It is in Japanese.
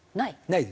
ない？